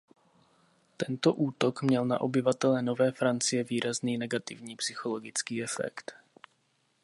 Tento útok měl na obyvatele Nové Francie výrazný negativní psychologický efekt.